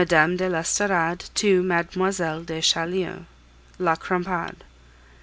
MME. DE L'ESTORADE TO MLLE. DE CHAULIEU La Crampade.